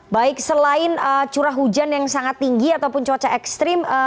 baik selain curah hujan yang sangat tinggi ataupun cuaca ekstrim